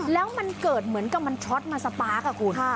แล้วมันเกิดเหมือนกับมันช็อตมาสปาร์คอะคุณ